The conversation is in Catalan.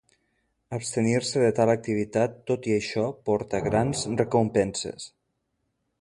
Abstenir-se de tal activitat, tot i això, porta grans recompenses.